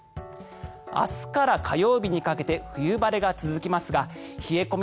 明日から火曜日にかけて冬晴れが続きますが冷え込み